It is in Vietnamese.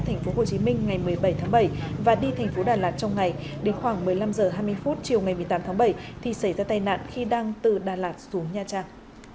thành phố hồ chí minh ngày một mươi bảy tháng bảy và đi thành phố đà lạt trong ngày đến khoảng một mươi năm h hai mươi chiều ngày một mươi tám tháng bảy thì xảy ra tai nạn khi đang từ đà lạt xuống nha trang